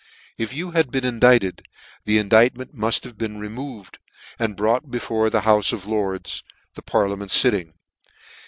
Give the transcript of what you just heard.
<c If you had been indicted, the indictment tnuft have been removed, and brought before the Houfe of Lords, (the parliament fitting.)